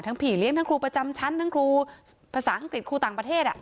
ผีเลี้ยงทั้งครูประจำชั้นทั้งครูภาษาอังกฤษครูต่างประเทศ